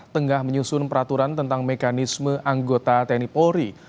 tengah menyusun peraturan tentang mekanisme anggota tni polri